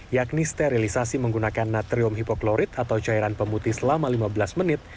yakni sterilisasi menggunakan natrium hipoklorit atau cairan pemutih selama lima belas menit